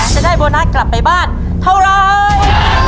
จะได้โบนัสกลับไปบ้านเท่าไร